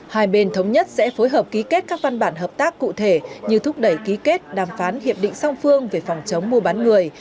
hai bên thống nhất sẽ phối hợp ký kết các văn bản hợp tác cụ thể như thúc đẩy ký kết đàm phán hiệp định song phương về phòng chống mua bán người